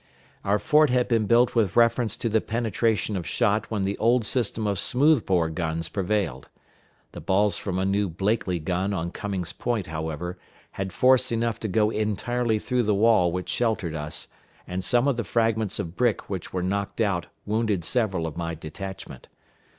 Our fort had been built with reference to the penetration of shot when the old system of smooth bore guns prevailed. The balls from a new Blakely gun on Cummings Point, however, had force enough to go entirely through the wall which sheltered us, and some of the fragments of brick which were knocked out wounded several of my detachment.